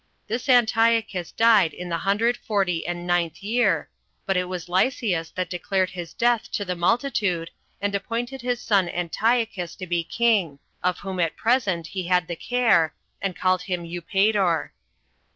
24 This Antiochus died in the hundred forty and ninth year; but it was Lysias that declared his death to the multitude, and appointed his son Antiochus to be king, [of whom at present he had the care,] and called him Eupator.